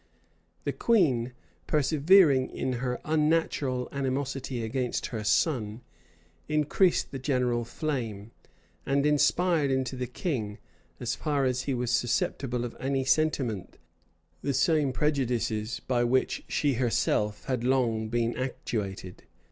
The queen, persevering in her unnatural animosity against her son, increased the general flame, and inspired into the king, as far as he was susceptible of any sentiment the same prejudices by which she herself had long been actuated.